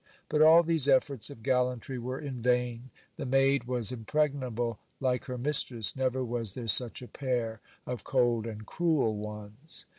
But all these efforts of gallantry were in vain — the maid was im pregnable like her mistress — never was there such a pair of cold and cruel ones.